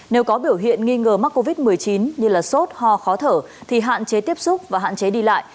nếu có biểu hiện nghi ngờ mắc covid một mươi chín như sốt ho khó thở thì hạn chế tiếp xúc và hạn chế đi lại